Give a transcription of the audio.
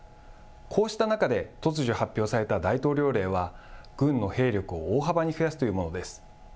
こうした中で突如発表された大統領令は、軍の兵力を大幅に増やすというものです。